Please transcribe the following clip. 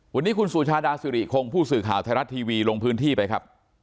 วันนี้คุณสุชาดาสิริคงผู้สื่อข่าวไทยรัฐทีวีลงพื้นที่ไปครับ